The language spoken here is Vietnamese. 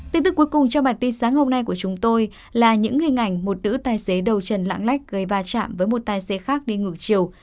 tin tức cuối cùng trong bản tin sáng hôm nay của chúng tôi là những hình ảnh một nữ tài xế đầu trần lãng lách gây va chạm với một tài xế khác đi ngược chiều